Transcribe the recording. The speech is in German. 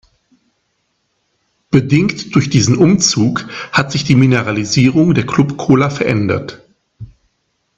Bedingt durch diesem „Umzug“ hat sich die Mineralisierung der Club-Cola verändert.